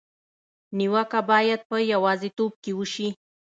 نیوکه باید په یوازېتوب کې وشي.